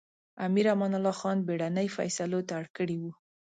امیر امان الله خان بېړنۍ فېصلو ته اړ کړی و.